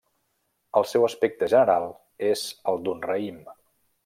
El seu aspecte general és el d'un raïm.